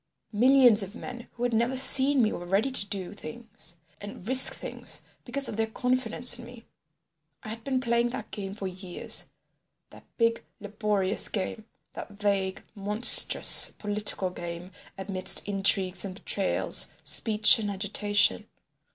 Millions of men who had never seen me were ready to do things and risk things because of their confidence in me. I had been playing that game for years, that big laborious game, that vague, monstrous political game amidst intrigues and betrayals, speech and agitation.